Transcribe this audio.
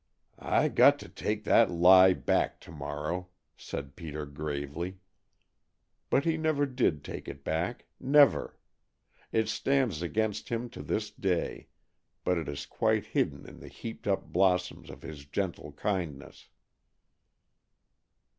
"I got to take that lie back to morrow," said Peter gravely, but he never did take it back, never! It stands against him to this day, but it is quite hidden in the heaped up blossoms of his gentle kindness.